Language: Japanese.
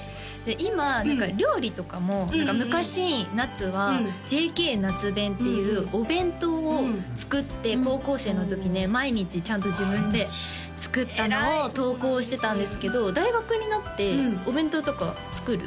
今何か料理とかも昔なっつは「ＪＫなつ弁」っていうお弁当を作って高校生の時ね毎日ちゃんと自分で作ったのを投稿してたんですけど大学になってお弁当とか作る？